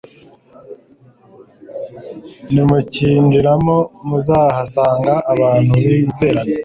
nimukinjiramo, muzahasanga abantu bizerana